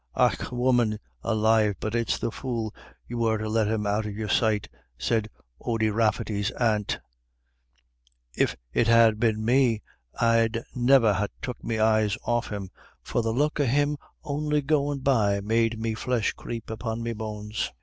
"Och, woman alive, but it's the fool you were to let him out of your sight," said Ody Rafferty's aunt. "If it had been me, I'd niver ha' took me eyes off him, for the look of him on'y goin' by made me flesh creep upon me bones."